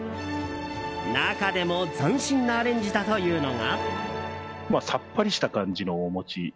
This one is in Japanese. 中でも斬新なアレンジだというのが。